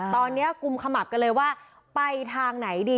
ตอนนี้กุมขมับกันเลยว่าไปทางไหนดี